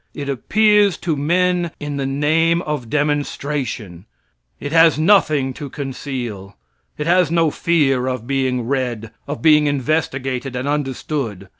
It appears to men in the name of demonstration. It has nothing to conceal. It has no fear of being read, of being investigated and understood.